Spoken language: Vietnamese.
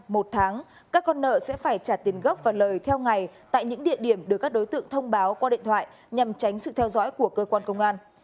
một tháng các con nợ sẽ phải trả tiền gốc và lời theo ngày tại những địa điểm được các đối tượng thông báo qua điện thoại nhằm tránh sự theo dõi của cơ quan công an